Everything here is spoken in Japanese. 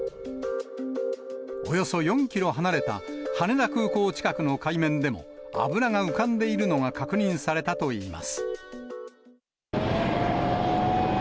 およそ４キロ離れた羽田空港近くの海面でも、油が浮かんでいるのが確認されたといいます。